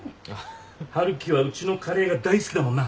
春樹はうちのカレーが大好きだもんな。